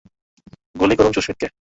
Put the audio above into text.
গুলি করুন ওকে!